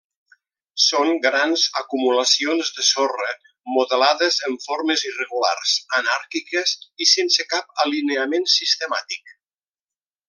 Són grans acumulacions de sorra modelades en formes irregulars, anàrquiques i sense cap alineament sistemàtic.